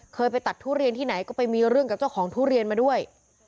ไปตัดทุเรียนที่ไหนก็ไปมีเรื่องกับเจ้าของทุเรียนมาด้วย